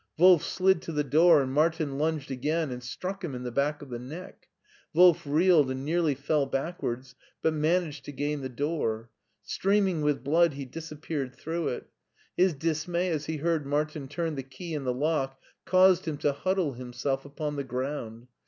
Wolf slid to the door and Martin lunged again and struck him in the back of the neck. Wolf reeled and nearly fell backwards, but managed to gain the door. Streaming with blood he disappeared through it. His dismay as he heard Martin turn the key in the lock caused him to huddle himself upon the ground.